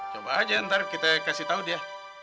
coba aja ntar kita kasih tau dia